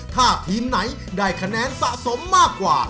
ถ้าทีมไหนได้คะแนนสะสมมากกว่า